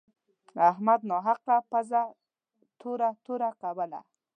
احمد ناحقه پزه تروه تروه کوله.